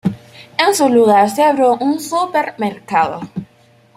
En su lugar se abrió un supermercado.